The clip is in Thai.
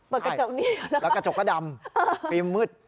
เปิดกระจกนิดเดียวเหรอคะแล้วกระจกก็ดำตีมมืด